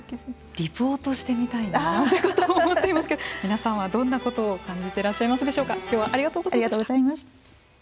リポートしてみたいなんてことも思っていますけど皆さんはどんなことを感じていらっしゃいますでしょうか。